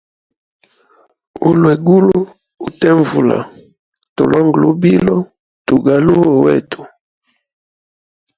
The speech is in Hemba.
Ulwegulu utenvula tulonge lubilo tugaluwe wetu.